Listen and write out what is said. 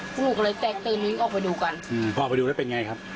พวกหนูก็เลยแตกตื่นวิ่งออกไปดูกันอืมพอออกไปดูแล้วเป็นไงครับ